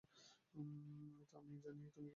আমি জানি তুমি কী ভাবছো।